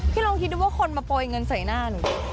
ลองคิดดูว่าคนมาโปรยเงินใส่หน้าหนู